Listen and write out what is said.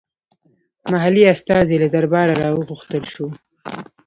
محلي استازی له درباره راوغوښتل شو.